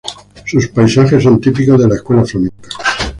Sus paisajes son típicos de la escuela flamenca.